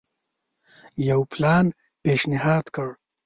یو پلان پېشنهاد کړ.